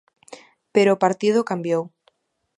Pero o partido cambiou.